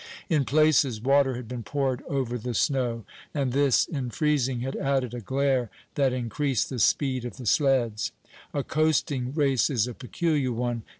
In places water had been poured over the snow, and this in freezing had added a glair that increased the speed of the sleds. A coasting race is a peculiar one.